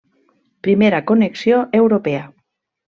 Primera connexió europea.